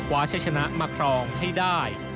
ใช้ชนะมาครองให้ได้